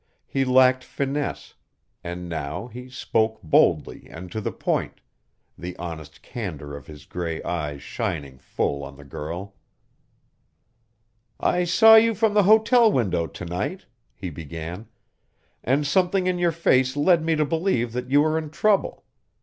He lacked finesse, and now he spoke boldly and to the point, the honest candor of his gray eyes shining full on the girl. "I saw you from the hotel window to night," he began, "and something in your face led me to believe that you were in trouble.